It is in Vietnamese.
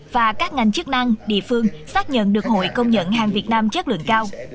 và các ngành chức năng địa phương xác nhận được hội công nhận hàng việt nam chất lượng cao